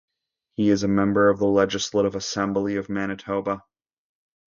He is a member of the Legislative Assembly of Manitoba.